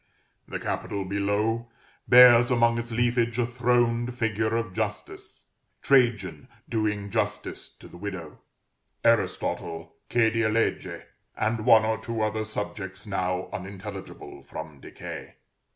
The capital below bears among its leafage a throned figure of Justice, Trajan doing justice to the widow, Aristotle "che die legge," and one or two other subjects now unintelligible from decay.